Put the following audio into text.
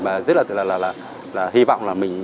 và rất là hy vọng là mình